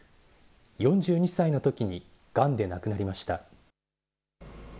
４２歳のときにがんで亡くなりました。